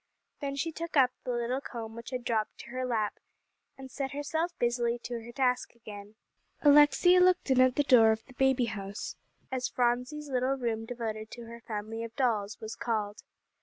Then she took up the little comb which had dropped to her lap, and set herself busily to her task again. Alexia looked in at the door of the "baby house," as Phronsie's little room devoted to her family of dolls, was called.